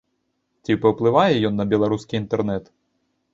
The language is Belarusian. Ці паўплывае ён на беларускі інтэрнэт?